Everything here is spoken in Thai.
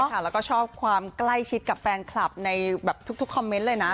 แล้วก็ชอบความใกล้ชิดกับแฟนคลับในแบบทุกคอมเมนต์เลยนะ